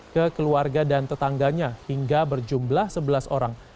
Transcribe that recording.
ke keluarga dan tetangganya hingga berjumlah sebelas orang